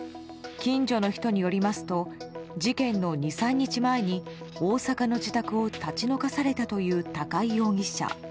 近所の人によりますと事件の２３日前に大阪の自宅を立ち退かされたという高井容疑者。